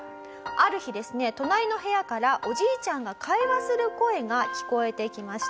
ある日ですね隣の部屋からおじいちゃんが会話する声が聞こえてきました。